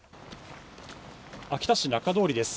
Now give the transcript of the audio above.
秋田市、中通りです。